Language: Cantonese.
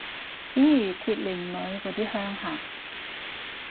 譬如鐵鍊女嗰啲鄉下